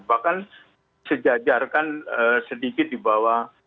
bahkan sejajarkan sedikit di bawah